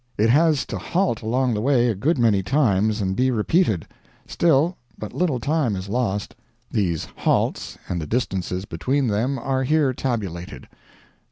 It has to halt along the way a good many times and be repeated; still, but little time is lost. These halts, and the distances between them, are here tabulated.